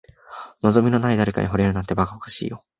望みのない誰かに惚れるなんて、ばかばかしいよ。